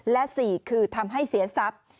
และ๔คือทำให้เสียทรัพย์